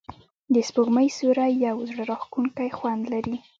د سپوږمۍ سیوری یو زړه راښکونکی خوند لري.